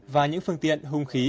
và những phương tiện hung khí